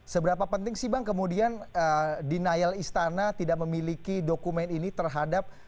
seberapa penting sih bang kemudian denial istana tidak memiliki dokumen ini terhadap